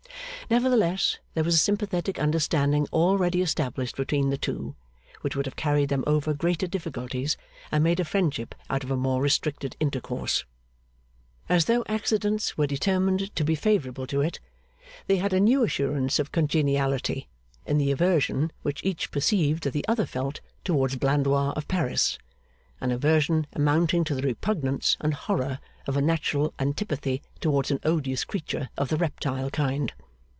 Nevertheless, there was a sympathetic understanding already established between the two, which would have carried them over greater difficulties, and made a friendship out of a more restricted intercourse. As though accidents were determined to be favourable to it, they had a new assurance of congeniality in the aversion which each perceived that the other felt towards Blandois of Paris; an aversion amounting to the repugnance and horror of a natural antipathy towards an odious creature of the reptile kind.